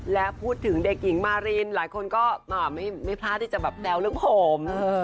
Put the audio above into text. และพูดถึงเด็กหญิงมารินหลายคนก็ไม่พลาดที่จะแบบแซวเรื่องผม